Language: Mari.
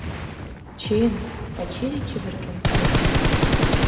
— Чын, — Качырий чеверген кайыш.